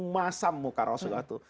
masam muka rasulullah itu